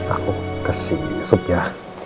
aku kasih sup ya